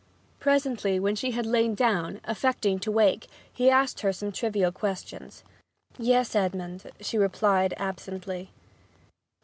Presently, when she had lain down, affecting to wake, he asked her some trivial questions. 'Yes, Edmond,' she replied absently.